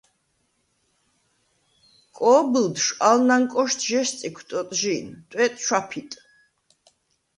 კო̄ბჷლდშვ ალ ნანკოშდ ჟ’ესწიქვ ტოტჟი̄ნ, ტვეტ ჩვაფიტ.